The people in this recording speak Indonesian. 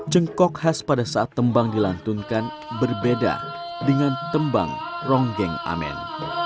jengkok khas pada saat tembang dilantunkan berbeda dengan tembang ronggeng amen